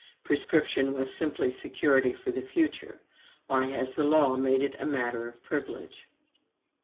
Prescription was simply security for the future; why has the law made it a matter of privilege?